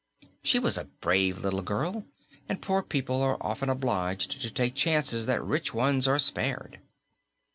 She was a brave little girl and poor people are often obliged to take chances that rich ones are spared.